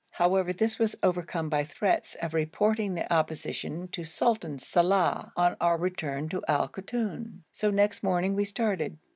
However, this was overcome by threats of reporting the opposition to Sultan Salàh on our return to Al Koton. So next morning we started.